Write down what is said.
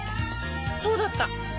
そうだった！